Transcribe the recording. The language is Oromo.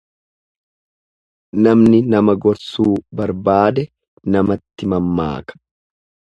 Namni nama gorsuu barbaade namatti mammaaka.